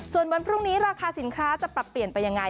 ส่วนวันพรุ่งนี้ราคาสินค้าจะปรับเปลี่ยนไปยังไง